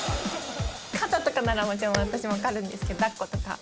肩とかならもちろん、私も分かるんですけど、だっことか。